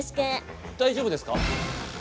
大丈夫ですか？